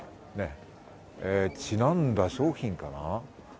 ちなんだ商品かな？